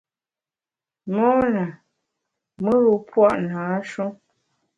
Mona, mùr-u pua’ nâ-shu.